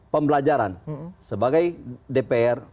pembelajaran sebagai dpr